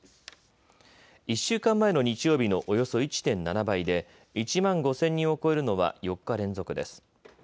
１週間前の日曜日のおよそ１．７倍で１万５０００人を超えるのは４日連続です。